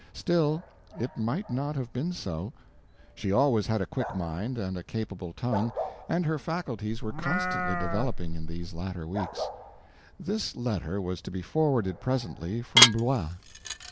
Still, it might not have been so; she always had a quick mind and a capable tongue, and her faculties were constantly developing in these latter weeks. This letter was to be forwarded presently from Blois.